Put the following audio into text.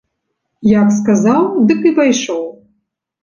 Як сказаў, дык і пайшоў.